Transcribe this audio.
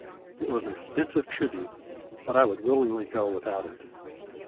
It is an expensive tribute; but I would willingly go without it.